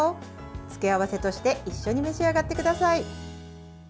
付け合わせとして一緒に召し上がってください。